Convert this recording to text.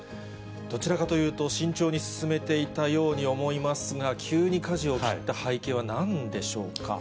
どちらかというと、慎重に進めていたと思いますが、急にかじを切った背景はなんでしょうか。